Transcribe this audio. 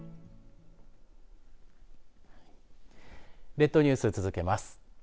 列島ニュース続けます。